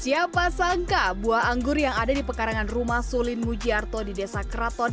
siapa sangka buah anggur yang ada di pekarangan rumah sulin mujiarto di desa keraton